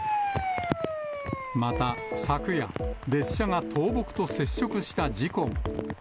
また昨夜、列車が倒木と接触した事故が。